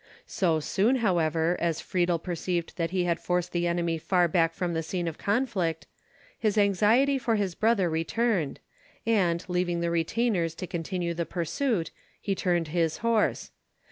So soon, however, as Friedel perceived that he had forced the enemy far back from the scene of conflict, his anxiety for his brother returned, and, leaving the retainers to continue the pursuit, he turned his horse.